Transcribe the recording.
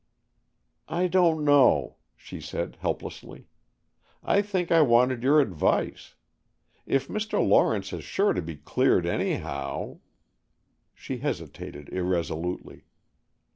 "I don't know," she said helplessly. "I think I wanted your advice. If Mr. Lawrence is sure to be cleared anyhow, " she hesitated irresolutely.